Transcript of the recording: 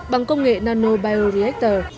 bằng công nghệ bio nano